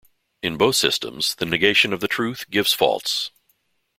In both systems the negation of the truth gives false.